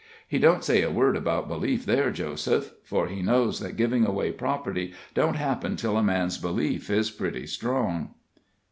He don't say a word about belief there, Joseph; for He knows that giving away property don't happen till a man's belief is pretty strong."